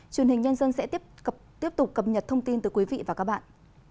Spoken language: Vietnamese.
truyền hình nhân dân sẽ tiếp tục cập nhật thông tin từ quý vị và các bạn